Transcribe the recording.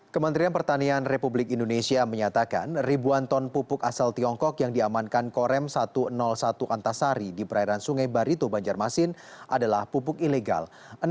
kementerian pertanian republik indonesia menyatakan ribuan ton pupuk asal tiongkok yang diamankan korem satu ratus satu antasari di perairan sungai barito banjarmasin adalah pupuk ilegal